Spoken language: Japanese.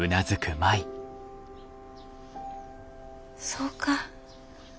そうか。